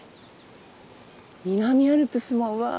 南アルプスもわ。